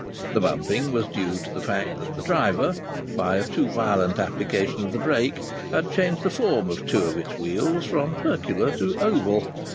The bumping was due to the fact that the driver, by a too violent application of the brake, had changed the form of two of its wheels from circular to oval.